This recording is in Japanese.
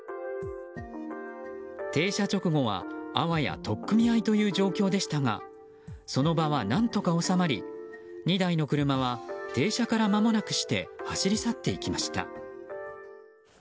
停車直後は、あわや取っ組み合いという状況でしたがその場は何とか収まり２台の車は停車からまもなくして走り去っていきました。